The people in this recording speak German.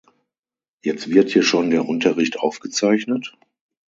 Jetzt wird hier schon der Unterricht aufgezeichnet?